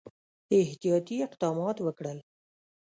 احتیاطي اقدمات وکړل.